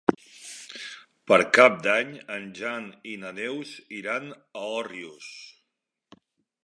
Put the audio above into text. Per Cap d'Any en Jan i na Neus iran a Òrrius.